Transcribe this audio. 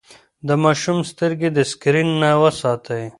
د ماشوم سترګې د سکرين نه وساتئ.